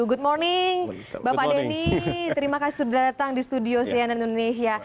good morning bapak denny terima kasih sudah datang di studio cnn indonesia